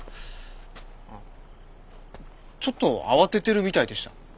ちょっと慌ててるみたいでした。